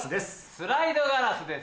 スライドガラスです。